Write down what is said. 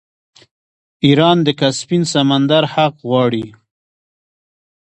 ایران د کسپین سمندر حق غواړي.